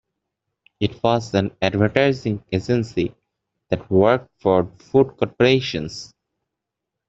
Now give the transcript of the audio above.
It was an advertising agency that worked for food corporations.